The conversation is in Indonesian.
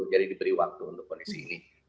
jadi diberi waktu untuk kondisi ini